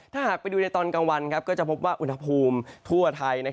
ถ้าหากไปดูในตอนกลางวันก็จะพบว่าอุณหภูมิทั่วไทย